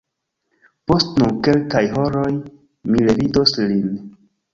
Post nur kelkaj horoj mi revidos lin!